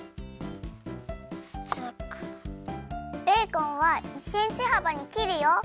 ベーコンは１センチはばにきるよ！